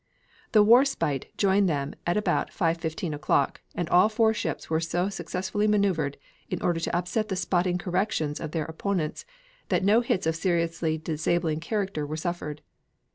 The Warspite joined them at about 5.15 o'clock, and all four ships were so successfully maneuvered in order to upset the spotting corrections of their opponents that no hits of a seriously disabling character were suffered.